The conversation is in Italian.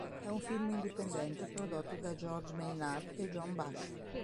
È un film indipendente prodotto da George Maynard e John Bash.